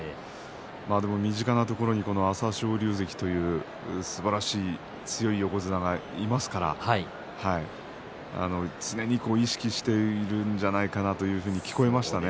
身近なところに朝青龍関というすばらしい強い横綱がいますから常に意識しているんじゃないかなと聞こえましたね。